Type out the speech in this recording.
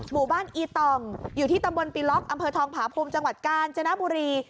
หมู่บ้านอีตองอยู่ที่ตำบลปีล็อกอำเภอทองผาภูมิจังหวัดกาญจนบุรี